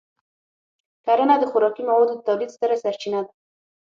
کرنه د خوراکي موادو د تولید ستره سرچینه ده.